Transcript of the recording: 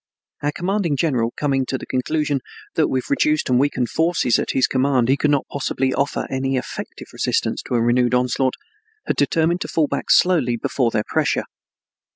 Our commanding general, coming to the conclusion that with the reduced and weakened forces at his command he could not possibly offer any effective resistance to a renewed onslaught, had determined to fall back slowly before their pressure.